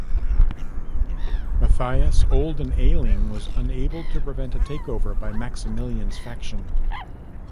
Matthias, old and ailing, was unable to prevent a takeover by Maximilian's faction.